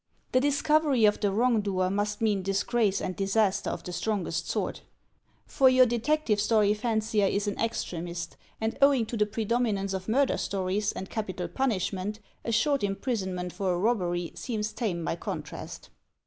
The discovery of the wrong doer must mean disgrace and disaster of the strongest sort. For your detective story fancier is an extremist; and, owing to the predominance of murder stories and capital punishment, a short imprisonment for a robbery seems tame by contrast.